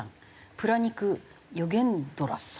プラニク・ヨゲンドラさん。